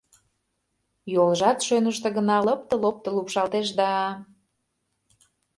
Йолжат шӧныштӧ гына лыпте-лопто лупшалтеш да...